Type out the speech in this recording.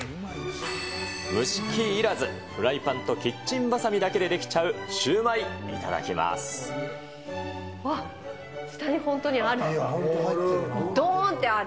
蒸し器いらず、フライパンでキッチンばさみだけでできちゃうシューマイ、いただうわっ、下に本当にある。